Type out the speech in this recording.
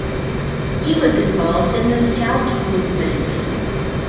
He was involved in the Scout Movement.